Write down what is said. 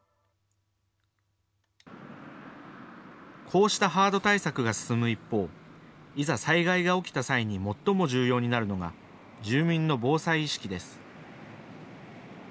こうしたハード対策が進む一方、いざ災害が起きた際に最も重要になるのが住民の防災意識です。